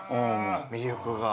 魅力が。